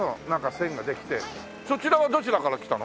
そちらはどちらから来たの？